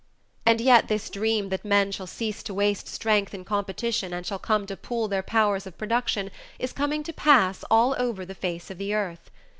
And yet this dream that men shall cease to waste strength in competition and shall come to pool their powers of production is coming to pass all over the face of the earth.